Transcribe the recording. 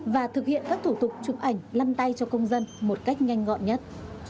và thực hiện các thủ tục chụp ảnh lăn tay cho công dân một cách nhanh gọn nhất